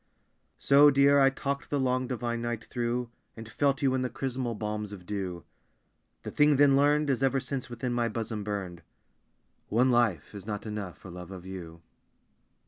So, Dear, I talked the long, divine night through, And felt you in the chrismal balms of dew. The thing then learned Has ever since within my bosom burned One life is not enough for love of you.